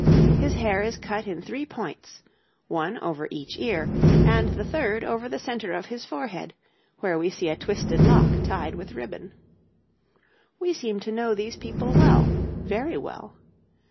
His hair is cut in three points, one over each ear and the third over the centre of his forehead, where we see a twisted lock tied with ribbon. We seem to know these people well very well.